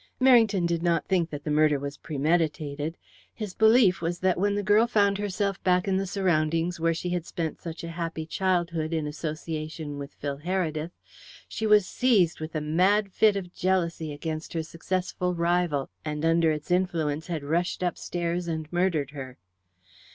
Merrington did not think that the murder was premeditated. His belief was that when the girl found herself back in the surroundings where she had spent such a happy girlhood in association with Phil Heredith, she was seized with a mad fit of jealousy against her successful rival, and under its influence had rushed upstairs and murdered her.